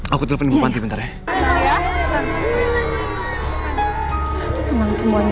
aku telepon ibu panti bentar ya